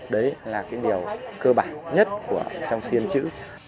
đấy là cái điều cơ bản nhất trong xin chữ